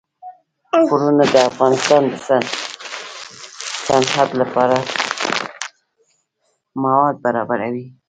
غرونه د افغانستان د صنعت لپاره مواد برابروي.